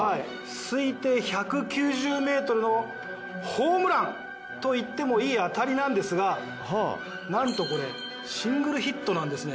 推定１９０ｍのホームランといってもいい当たりなんですがなんとこれシングルヒットなんですね。